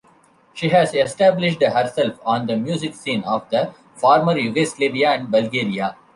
She has established herself on the music scene of the former Yugoslavia and Bulgaria.